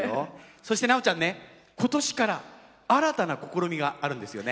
そして奈央ちゃんね今年から新たな試みがあるんですよね。